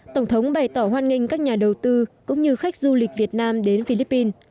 tổng thống bày tỏ hoan nghênh các nhà đầu tư cũng như khách du lịch việt nam đến philippines